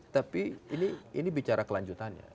tapi ini bicara kelanjutannya